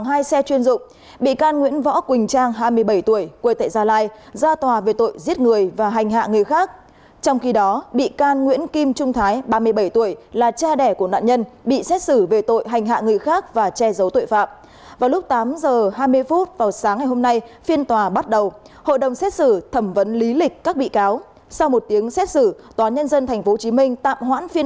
hãy đăng ký kênh để ủng hộ kênh của chúng mình nhé